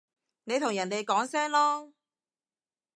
你同人哋講聲囉